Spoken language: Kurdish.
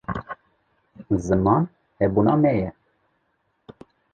ziman hebûna me ye